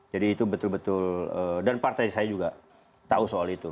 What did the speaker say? jadi itu betul betul dan partai saya juga tahu soal itu